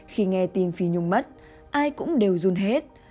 khi nghe tin phi nhung mất ai cũng đều run hết